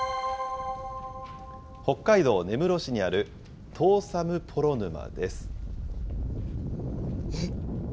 北海道根室市にあるトーサムポロ沼です。